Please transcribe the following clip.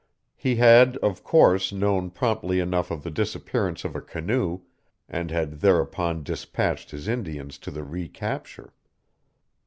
He had, of course, known promptly enough of the disappearance of a canoe, and had thereupon dispatched his Indians to the recapture.